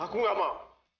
aku gak mau